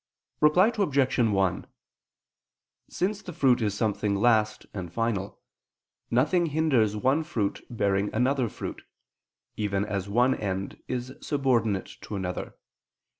Reply Obj. 1: Since fruit is something last and final, nothing hinders one fruit bearing another fruit, even as one end is subordinate to another.